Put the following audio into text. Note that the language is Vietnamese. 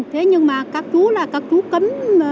thế nhưng mà các chú là các chú cấm